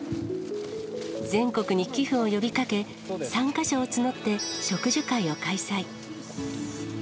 全国に寄付を呼びかけ、参加者を募って植樹会を開催。